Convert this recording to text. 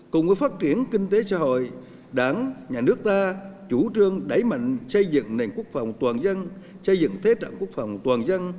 cùng với phát triển kinh tế xã hội đảng nhà nước ta chủ trương đẩy mạnh xây dựng nền quốc phòng toàn dân xây dựng thế trận quốc phòng toàn dân